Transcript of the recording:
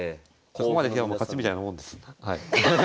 ここまで来たらもう勝ちみたいなもんです。